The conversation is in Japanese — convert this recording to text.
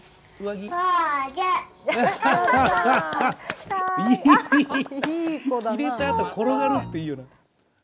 着れたあと転がるっていいよな。